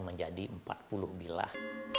menjadi empat puluh bilah